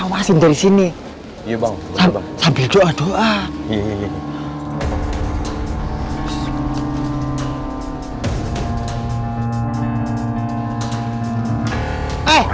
ya udah guna summit ini ruth